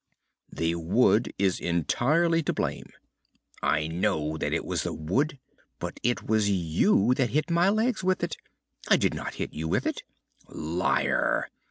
"The wood is entirely to blame!" "I know that it was the wood; but it was you that hit my legs with it!" "I did not hit you with it!" "Liar!"